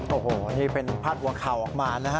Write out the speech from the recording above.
โอ้โหนี่เป็นพัดวะเข่าออกมา